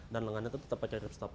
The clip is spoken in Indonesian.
dan lengannya itu tetap pakai ripstop